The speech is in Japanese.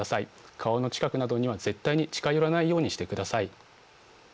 川の近くなどには絶対に近寄らないようにしてください。